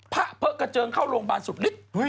พะเพิ่งกระเจิงเข้าโรงพยาบาลสุดลิด